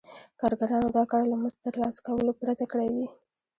کارګرانو دا کار له مزد ترلاسه کولو پرته کړی وي